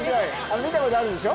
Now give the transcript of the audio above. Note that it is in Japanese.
見たことあるでしょ？